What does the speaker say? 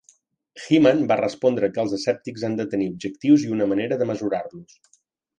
Hyman va respondre que els escèptics han de tenir objectius i una manera de mesurar-los.